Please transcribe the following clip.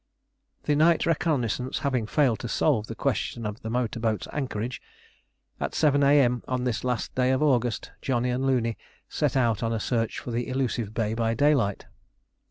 The night reconnaissance having failed to solve the question of the motor boat's anchorage, at 7 A.M. on this last day of August, Johnny and Looney set out on a search for the elusive bay by daylight.